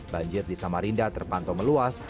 banjir di samarinda terpantau meluas